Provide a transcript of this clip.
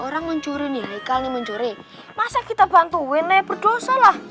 orang mencuri nih hai kalian mencuri masa kita bantuin leh berdosa lah